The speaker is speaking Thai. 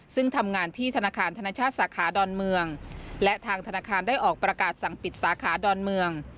ซึ่งทำงานที่ธนาคารธนชาติสาขาดอนเมืองและทางธนาคารได้ออกประกาศสั่งปิดสาขาดอนเมือง